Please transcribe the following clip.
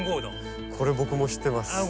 これ僕も知ってます。